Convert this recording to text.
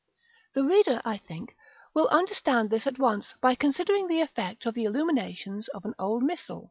The reader, I think, will understand this at once by considering the effect of the illuminations of an old missal.